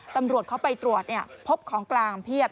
ตำรวจเขาไปตรวจพบของกลางเพียบ